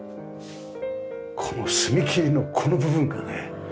この隅切りのこの部分がね。